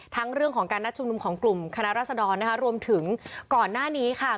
เรื่องของการนัดชุมนุมของกลุ่มคณะรัศดรนะคะรวมถึงก่อนหน้านี้ค่ะ